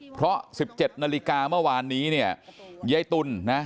เพราะ๑๗นาฬิกาเมื่อวานนี้เนี่ยยายตุลนะ